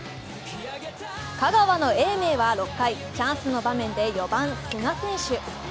香川の英明は６回チャンスの場面で４番・寿賀選手。